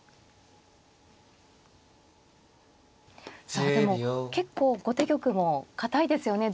さあでも結構後手玉も堅いですよね。